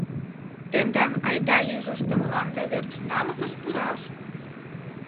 Тендан айда-лийже ыштымыланда верч намысыш пураш?!